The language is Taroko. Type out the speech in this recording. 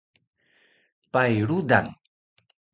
Pai rudan